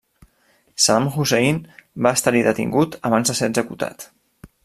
Saddam Hussein va estar-hi detingut abans de ser executat.